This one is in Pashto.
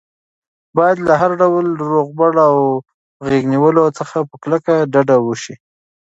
باید له هر ډول روغبړ او غېږ نیولو څخه په کلکه ډډه وشي.